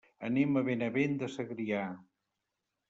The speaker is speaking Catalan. Anem a Benavent de Segrià.